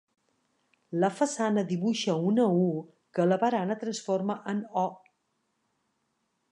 La façana dibuixa una u que la barana transforma en o.